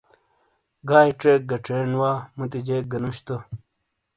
گائیے چیک گہ چینڈ وا مُتی جیک گہ نُش تو۔